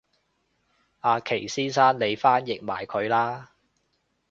阿祁先生你翻譯埋佢啦